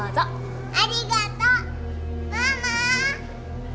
ママ。